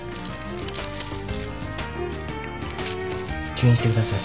吸引してください。